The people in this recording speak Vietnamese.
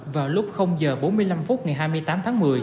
vào lúc h bốn mươi năm phút ngày hai mươi tám tháng một mươi